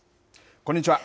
こんにちは。